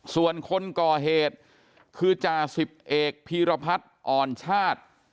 ส่วนคนก่อเหตุคือจ่าสิบเอกพีรพัฒน์อ่อนชาติ